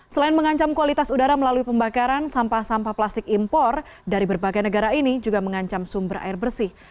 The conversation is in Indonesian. selain mengancam kualitas udara melalui pembakaran sampah sampah plastik impor dari berbagai negara ini juga mengancam sumber air bersih